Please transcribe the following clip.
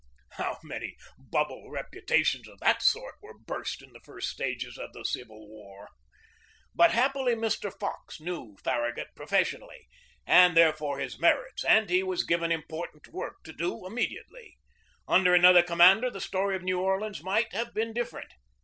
How many bubble reputations of that sort were burst in the first stages of the Civil War! But happily Mr. Fox knew Farragut professionally, and therefore his merits, and he was given important work to do immediately. Under another com mander the story of New Orleans might have been different.